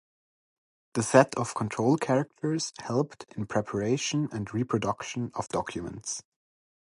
The set of control characters helped in preparation and reproduction of documents.